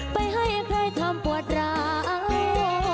ไปให้ใครทำปวดร้าว